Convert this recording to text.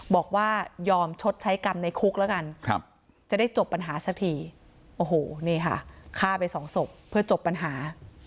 บอกว่ายอมชดใช้กรรมในคุกแล้วกันจะได้จบปัญหาสักทีโอ้โหนี่ค่ะฆ่าไปสองศพเพื่อจบปัญหา